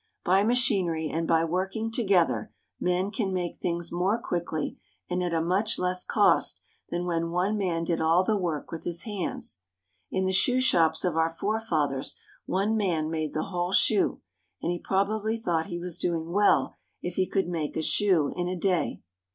By machinery and by w^orking together men can make things more quickly and at a much less cost than when one man did all the work with his hands. In the shoe shops of our forefathers one man made the whole shoe, and he probably thought he was doing well if he could make a shoe in a day.